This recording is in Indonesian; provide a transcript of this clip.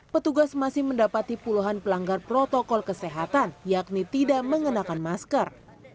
petugas masih mendapati puluhan pelanggar protokol kesehatan yakni tidak mengenakan masker